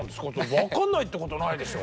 分かんないってことないでしょ。